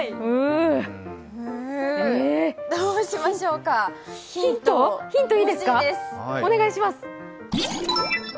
どうしましょうか、ヒントいいですか？